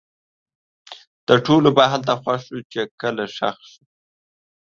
د ټولو به هلته خوښ شو؛ چې کله ښخ سو